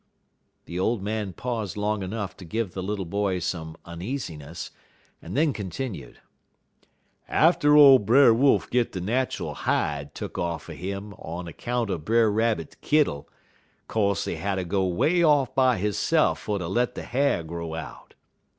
The old man paused long enough to give the little boy some uneasiness, and then continued: "Atter ole Brer Wolf git de nat'al hide tuck off'n 'im on de 'count er Brer Rabbit kittle, co'se he hatter go 'way off by hisse'f fer ter let de ha'r grow out.